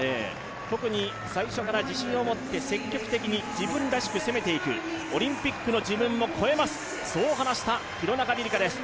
特に最初から自信を持って積極的に自分らしく攻めていく、オリンピックの自分を超えます、そう話した廣中璃梨佳です。